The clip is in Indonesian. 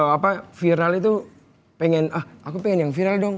apa viral itu pengen ah aku pengen yang viral dong